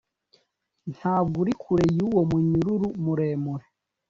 ntabwo uri kure yuwo munyururu muremure